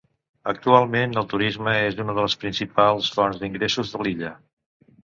Actualment el turisme és una de les principals fonts d'ingressos de l'illa.